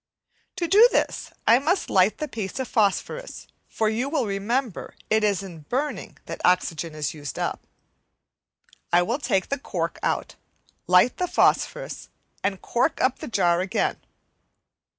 To do this I must light the piece of phosphorus, for you will remember it is in burning that oxygen is used up. I will take the cork out, light the phosphorus, and cork up the jar again.